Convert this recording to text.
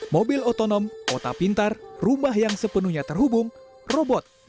mobil otonom kota pintar rumah yang sepenuhnya terhubung robot